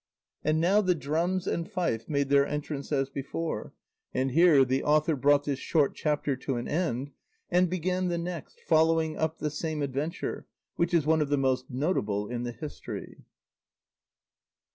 And now the drums and fife made their entrance as before; and here the author brought this short chapter to an end and began the next, following up the same adventure, which is one of the most notable in the history.